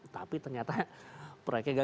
tapi ternyata proyeknya gagal